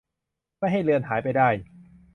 ไม่ให้เลือนหายไปได้